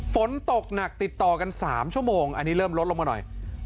ฝนตกหนักติดต่อกัน๓ชั่วโมงอันนี้เริ่มลดลงมาหน่อย